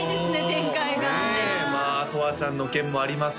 展開がねえとわちゃんの件もありますし